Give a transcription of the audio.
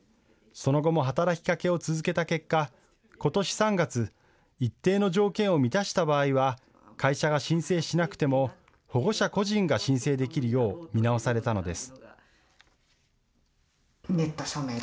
その後も働きかけを続けた結果、ことし３月、一定の条件を満たした場合は会社が申請しなくても保護者個人が申請できるよう見直されたのです。